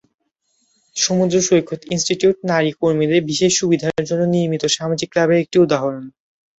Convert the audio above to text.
সমুদ্র সৈকত ইনস্টিটিউট নারী কর্মীদের বিশেষ সুবিধার জন্য নির্মিত সামাজিক ক্লাবের একটি উদাহরণ।